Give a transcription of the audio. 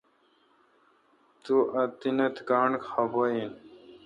تو انیت گاݨڈ خفہ این۔